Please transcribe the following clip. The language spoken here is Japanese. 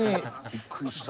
びっくりした。